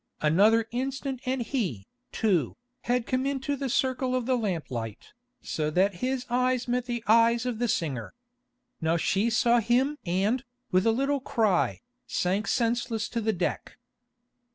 Another instant and he, too, had come into the circle of the lamplight, so that his eyes met the eyes of the singer. Now she saw him and, with a little cry, sank senseless to the deck.